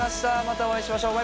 またお会いしましょう。